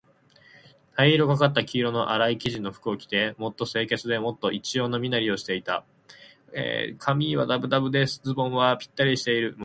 灰色がかった黄色のあらい生地の服を着て、もっと清潔で、もっと一様な身なりをしていた。上衣はだぶだぶで、ズボンはぴったりしている。